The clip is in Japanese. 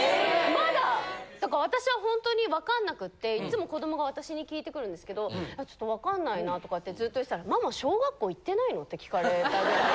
まだ私はほんとに分かんなくっていっつも子どもが私に聞いてくるんですけど「ちょっと分かんないな」とかってずっと言ってたら。って聞かれたぐらい。